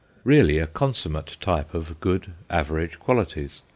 Really a con summate type of good average qualities.